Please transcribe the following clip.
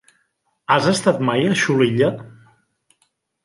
Has estat mai a Xulilla?